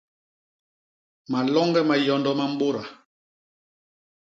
Maloñge ma yondo ma mbôda.